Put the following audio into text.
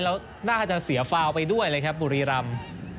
แล้วน่าจะเสียฟาวไปด้วยเลยครับบุรีรำ